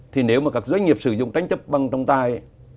thì nếu mà các doanh nghiệp sử dụng tranh chấp bằng trong tài